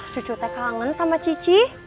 cucu tek kangen sama cici